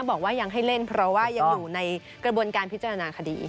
บอกว่ายังให้เล่นเพราะว่ายังอยู่ในกระบวนการพิจารณาคดี